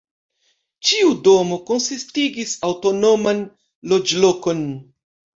Ĉiu domo konsistigis aŭtonoman loĝlokon.